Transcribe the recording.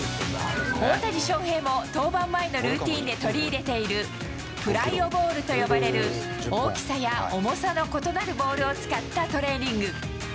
大谷翔平も登板前のルーティンで取り入れているプライオボールと呼ばれる大きさや重さの異なるボールを使ったトレーニング。